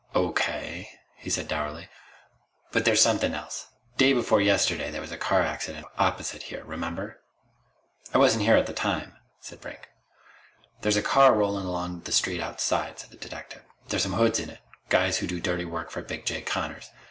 "O.K.," he said dourly. "But there's something else. Day before yesterday there was a car accident opposite here. Remember?" "I wasn't here at the time," said Brink. "There's a car rolling along the street outside," said the detective. "There's some hoods in it guys who do dirty work for Big Jake Connors.